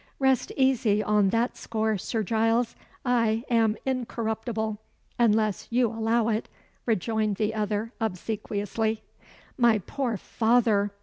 "Rest easy on that score, Sir Giles. I am incorruptible, unless you allow it," rejoined the other, obsequiously. "My poor father!"